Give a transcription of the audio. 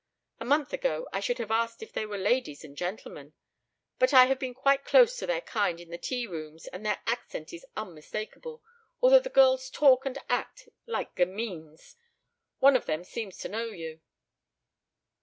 A month ago I should have asked if they were ladies and gentlemen, but I have been quite close to their kind in the tea rooms and their accent is unmistakable; although the girls talk and act like gamines. One of them seems to know you."